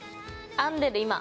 編んでる。